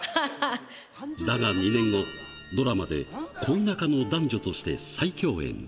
だが２年後、ドラマで恋仲の男女として再共演。